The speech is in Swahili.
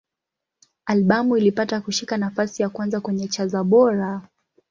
Albamu ilipata kushika nafasi ya kwanza kwenye cha za Bora.